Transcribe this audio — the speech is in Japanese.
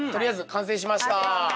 完成しました。